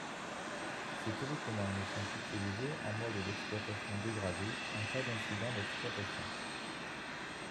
Ces télécommandes sont utilisées en mode d'exploitation dégradé en cas d'incident d'exploitation.